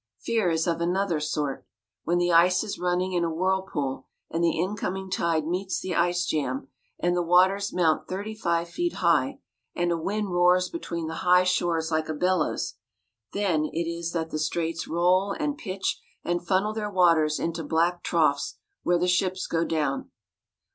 Fear is of another sort. When the ice is running in a whirlpool and the incoming tide meets the ice jam and the waters mount thirty five feet high and a wind roars between the high shores like a bellows then it is that the straits roll and pitch and funnel their waters into black troughs where the ships go down.